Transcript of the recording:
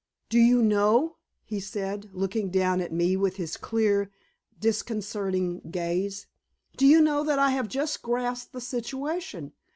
"Do you know," he said, looking down at me with his clear, disconcerting gaze, "do you know that I have just grasped the situation?